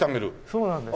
そうなんです。